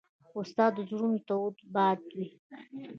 استاد د زړونو تود باد وي.